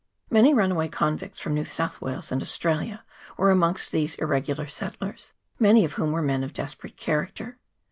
Many runaway convicts from New South Wales and Australia were amongst these irregular settlers, many of whom were men of desperate character.